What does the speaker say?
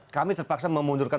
kami terpaksa memundurkan